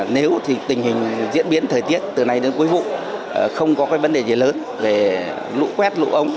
nếu tình hình diễn biến thời tiết từ nay đến cuối vụ không có cái vấn đề gì lớn về lũ quét lũ ống